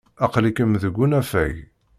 Aql-ikem deg unafag.